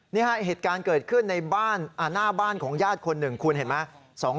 นี่ฮะเหตุการณ์เกิดขึ้นในบ้านหน้าบ้านของญาติคนหนึ่งคุณเห็นไหม